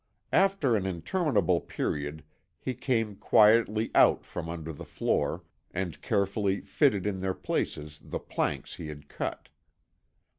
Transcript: After an interminable period he came quietly out from under the floor, and carefully fitted in their places the planks he had cut.